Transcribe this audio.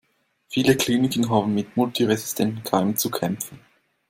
Viele Kliniken haben mit multiresistenten Keimen zu kämpfen.